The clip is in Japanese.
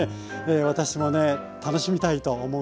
私もね楽しみたいと思うんですが。